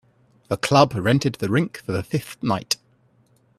The club rented the rink for the fifth night.